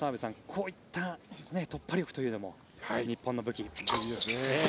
こういった突破力というのも日本の武器。